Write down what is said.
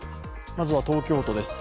まずは東京都です。